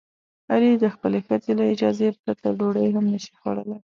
علي د خپلې ښځې له اجازې پرته ډوډۍ هم نشي خوړلی.